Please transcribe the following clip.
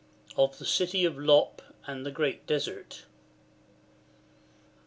Of the City of Lop and the Great Desert.